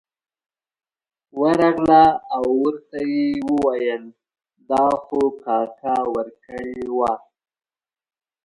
ورغله او ورته یې وویل دا خو کاکا ته ورکړې وه.